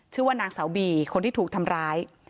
ชื่อว่านางสาวบีคนที่ถูกทำร้าย